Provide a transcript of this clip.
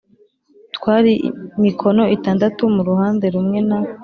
twari mikono itandatu mu ruhande rumwe na